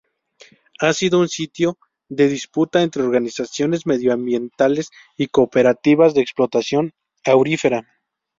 Ha sido un sitio de disputa entre organizaciones medioambientales y cooperativas de explotación aurífera.